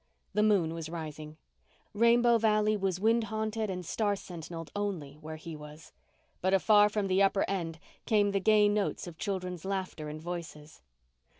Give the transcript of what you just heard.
The moon was rising. Rainbow Valley was wind haunted and star sentinelled only where he was, but afar from the upper end came the gay notes of children's laughter and voices.